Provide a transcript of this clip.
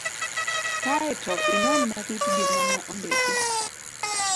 Kae to inon matut gima ne ondiki.